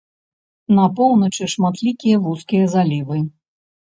На поўначы шматлікія вузкія залівы.